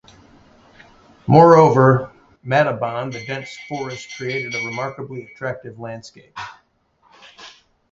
Moreover, Madoban- the dense forest created a remarkably attractive landscape.